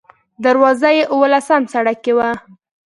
دروازه یې اوولسم سړک کې وه.